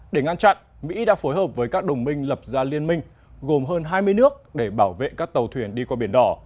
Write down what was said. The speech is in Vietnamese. để ngăn chặn mỹ đã phối hợp với các đồng minh lập ra liên minh gồm hơn hai mươi nước để bảo vệ các tàu thuyền đi qua biển đỏ